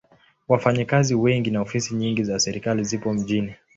Wafanyakazi wengi na ofisi nyingi za serikali zipo mjini.